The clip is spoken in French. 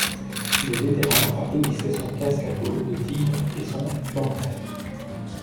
Les vétérans applaudissaient son casque à peau de tigre et son bancal.